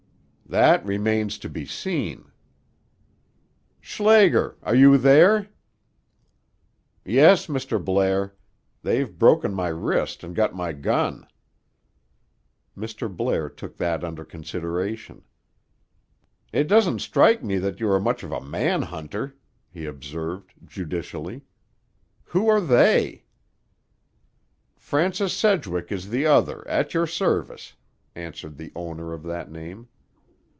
"That remains to be seen." "Schlager! Are you there?" "Yes, Mr. Blair. They've broken my wrist and got my gun." Mr. Blair took that under consideration. "It doesn't strike me that you are much of a man hunter," he observed judicially. "Who are they?" "Francis Sedgwick is the other, at your service," answered the owner of that name.